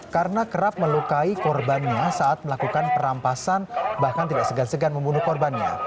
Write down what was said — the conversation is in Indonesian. karena kerap melukai korbannya saat melakukan perampasan bahkan tidak segan segan membunuh korbannya